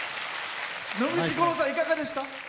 野口五郎さん、いかがでした？